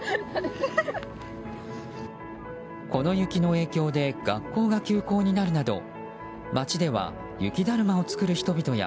この雪の影響で学校が休校になるなど街では雪だるまを作る人々や